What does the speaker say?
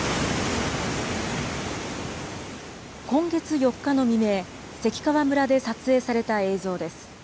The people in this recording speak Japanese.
今月４日の未明、関川村で撮影された映像です。